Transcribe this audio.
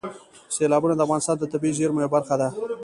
سیلابونه د افغانستان د طبیعي زیرمو یوه برخه ده.